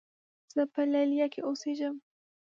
زۀ په لیلیه کې اوسېږم.